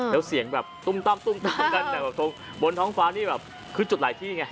แล้วเสียงตุ้มบนท้องฟ้านี้ขึ้นจุดหลายที่ไง